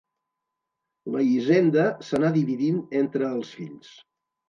La hisenda s'anà dividint entre els fills.